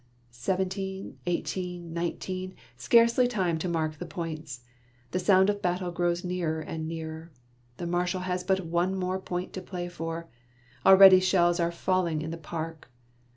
Seventeen ! eighteen ! nineteen ! Scarcely time to mark the points. The sound of battle grows nearer and nearer. The Marshal has but one more point to play for. Already shells are falling in the park.